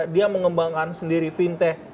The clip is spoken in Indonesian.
dia mengembangkan sendiri fintech